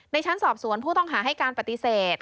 ชั้นสอบสวนผู้ต้องหาให้การปฏิเสธ